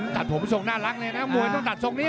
ตัดผมทรงน่ารักเลยนะมวยต้องตัดทรงนี้